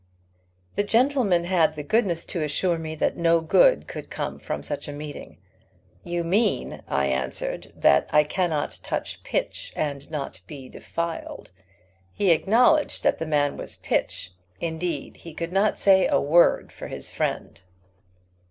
"The gentleman had the goodness to assure me that no good could come from such a meeting. 'You mean,' I answered, 'that I cannot touch pitch and not be defiled!' He acknowledged that the man was pitch. Indeed, he could not say a word for his friend."